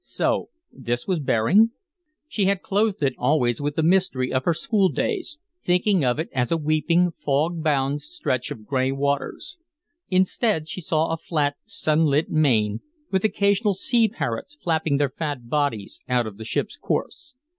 So this was Bering? She had clothed it always with the mystery of her school days, thinking of it as a weeping, fog bound stretch of gray waters. Instead, she saw a flat, sunlit main, with occasional sea parrots flapping their fat bodies out of the ship's course.